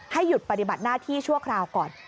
หยุดปฏิบัติหน้าที่ชั่วคราวก่อน